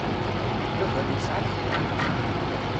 Baba-m yesɛa lḥeṭṭa.